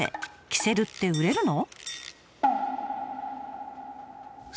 キセルって売れるの？